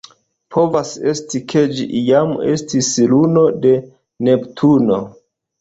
Povas esti, ke ĝi iam estis luno de Neptuno.